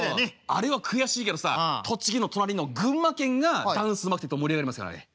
あれは悔しいけどさ栃木の隣の群馬県がダンスうまくて盛り上がりますよあれ。